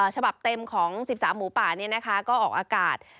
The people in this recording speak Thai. ฉบับเต็มของ๑๓หมูป่าก็ออกอากาศ